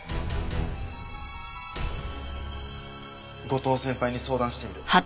後藤先輩に相談してみる。